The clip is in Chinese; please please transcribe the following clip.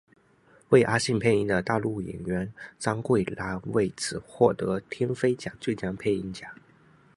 为阿信配音的大陆配音员张桂兰为此获得飞天奖最佳配音奖。